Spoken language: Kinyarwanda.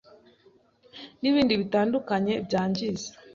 n’ibindi bitandukanye byangiza